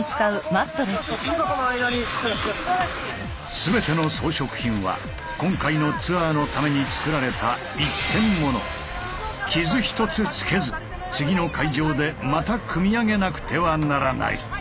全ての装飾品は今回のツアーのために作られた傷一つつけず次の会場でまた組み上げなくてはならない。